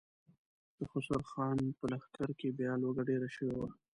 د خسرو خان په لښکر کې بيا لوږه ډېره شوه.